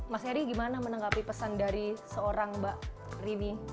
mas eri gimana menanggapi pesan dari seorang mbak rimi